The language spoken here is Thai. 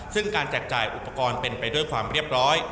ซึ่งการแจกจ่ายอุปกรณ์เป็นไปด้วยความเรียบร้อย